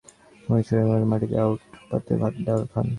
মহীশূরের মহারাজও মাটিতে আঙট পাতে ভাত ডাল খান।